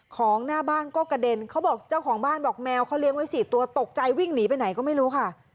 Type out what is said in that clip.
ของหน้าบ้านก็กระเด็นเขาบอกเจ้าของบ้านบอกแมวเขาเลี้ยงไว้๔ตัวตกใจวิ่งหนีไปไหนก็ไม่รู้ค่ะ